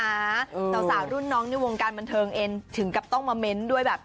สาวรุ่นน้องในวงการบันเทิงเองถึงกับต้องมาเม้นต์ด้วยแบบ